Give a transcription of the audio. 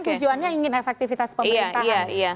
tujuannya ingin efektivitas pemerintahan